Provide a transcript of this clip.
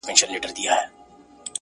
• راسه د يو بل اوښکي وچي کړو نور.